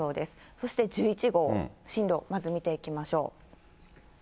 そして１１号、進路、まず見ていきましょう。